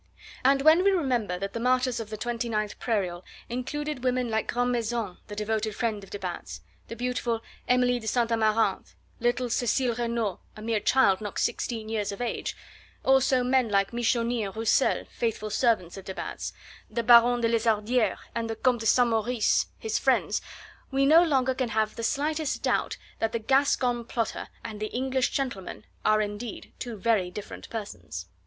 And when we remember that the martyrs of the 29th Prairial included women like Grandmaison, the devoted friend of de Batz, the beautiful Emilie de St. Amaranthe, little Cecile Renault a mere child not sixteen years of age also men like Michonis and Roussell, faithful servants of de Batz, the Baron de Lezardiere, and the Comte de St. Maurice, his friends, we no longer can have the slightest doubt that the Gascon plotter and the English gentleman are indeed two very different persons.